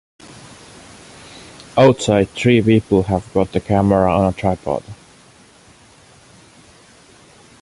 Outside three people have got a camera on a tripod.